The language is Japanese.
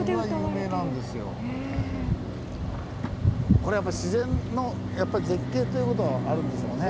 これやっぱ自然の絶景ということはあるんでしょうね。